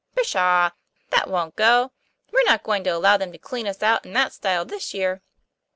'Pshaw! That wont go. We're not going to allow them to clean us out in that style this year."